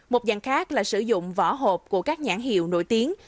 một dạng khác là sử dụng vỏ hộp của các nhãn hiệu nổi tiếng